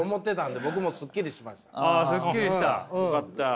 あよかった。